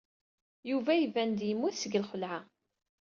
Yuba iban-d yemmut seg lxelɛa.